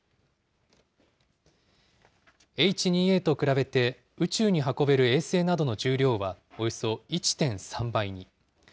Ｈ２Ａと比べて、宇宙に運べる衛星などの重量はおよそ１．３倍に。